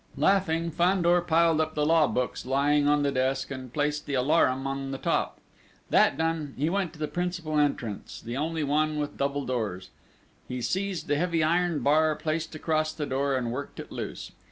Laughing, Fandor piled up the law books lying on the desk, and placed the alarum on the top; that done, he went to the principal entrance, the only one with double doors. He seized the heavy iron bar placed across the door and worked it loose.